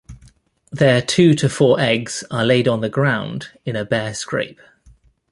Their two to four eggs are laid on the ground in a bare scrape.